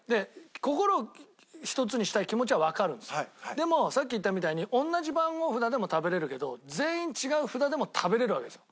でもさっき言ったみたいに同じ番号札でも食べられるけど全員違う札でも食べられるわけですよ。